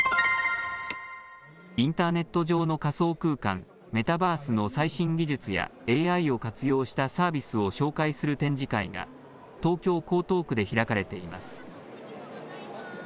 インターネット上の仮想空間、メタバースの最新技術やＡＩを活用したサービスを紹介する展示会が東京江東区で開かれています。